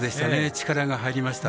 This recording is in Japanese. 力が入りました。